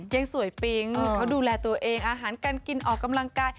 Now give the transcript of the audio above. ยังสวยปิ๊งเขาดูแลตัวเองอาหารการกินออกกำลังกาย